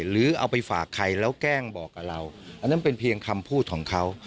หรือเอาไปฝากใครแล้วแกล้งบอกกับเราอันนั้นเป็นเพียงคำพูดของเขา